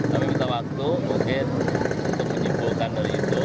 kami minta waktu mungkin untuk menyimpulkan dari itu